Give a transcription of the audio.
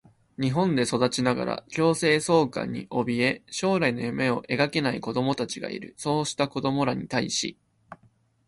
日本で育ちながら強制送還におびえ、将来の夢を描けない子どもたちがいる。そうした子どもらに対し、